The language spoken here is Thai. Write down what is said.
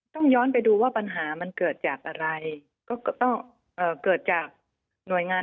ย้อนไปดูว่าปัญหามันเกิดจากอะไรก็ต้องเกิดจากหน่วยงาน